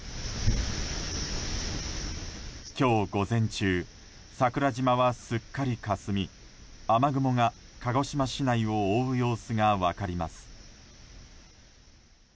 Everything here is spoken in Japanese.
今日午前中桜島はすっかりかすみ雨雲が鹿児島市内を覆う様子が分かります。